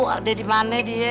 ada di mana dia